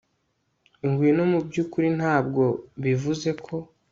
Ngwino mubyukuri ntabwo bivuze ko